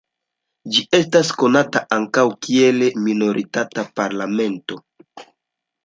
Ĝi estas konata ankaŭ kiel minoritata parlamento.